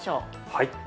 はい。